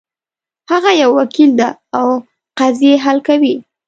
هغه یو وکیل ده او قضیې حل کوي